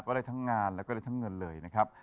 ได้ทั้งงานแล้วก็ได้ทั้งเงินเลยนะครับ